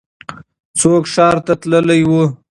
څوک ښار ته تللی و؟